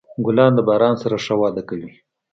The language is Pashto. ګلان د باران سره ښه وده کوي.